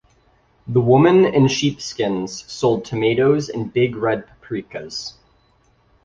The women in sheepskins sold tomatoes and big red paprikas.